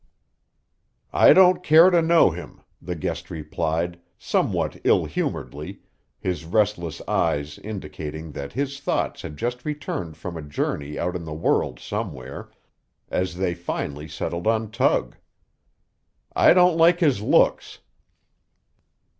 "I don't care to know him," the guest replied, somewhat ill humoredly, his restless eyes indicating that his thoughts had just returned from a journey out in the world somewhere, as they finally settled on Tug. "I don't like his looks."